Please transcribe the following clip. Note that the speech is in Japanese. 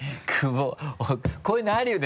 こういうのあるよね